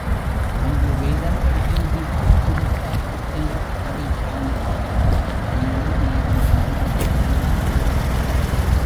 அன்று வேதங்கள் பூஜித்துத் திருக்காப்பு செய்த கதவைத்தான் அப்பர், பண்ணின் நேர் மொழியாள் உமை பங்கரோ!